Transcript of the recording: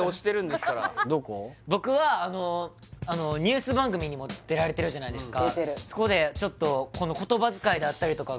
僕はあのニュース番組にも出られてるじゃないですか